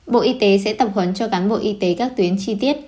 bộ y tế sẽ tập huấn cho cán bộ y tế các tuyến chi tiết